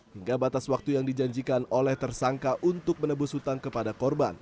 hingga batas waktu yang dijanjikan oleh tersangka untuk menebus hutang kepada korban